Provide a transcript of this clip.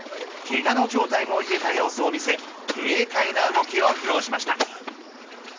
けがの状態も癒えた様子を見せ軽快な動きを披露しました。